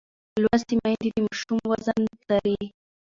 لوستې میندې د ماشوم وزن څاري.